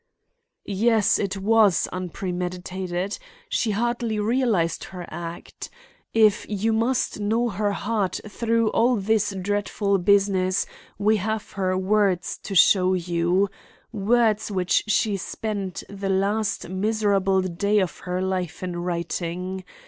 "Yes, it was unpremeditated; she hardly realized her act. If you must know her heart through all this dreadful business, we have her words to show you—words which she spent the last miserable day of her life in writing.